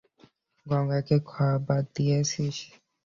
গঙ্গাকে খাবার দিয়েছিস?